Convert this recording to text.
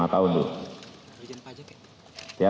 lima tahun tuh